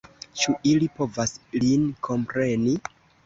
Ĉu ili povas lin kompreni?